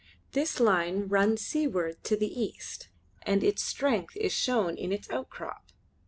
This line runs seawards to the east and its strength is shown in its outcrop.